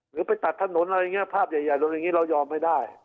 ไปตัดถนนอะไรอย่างนี้ภาพใหญ่ลงอย่างนี้เรายอมไม่ได้